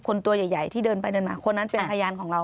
ตัวใหญ่ที่เดินไปเดินมาคนนั้นเป็นพยานของเรา